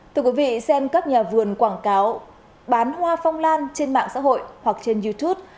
thưa quý vị xem các nhà vườn quảng cáo bán hoa phong lan trên mạng xã hội hoặc trên youtube